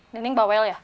nining bawel ya